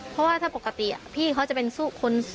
เพราะว่าถ้าปกติพี่เขาจะเป็นสู้คน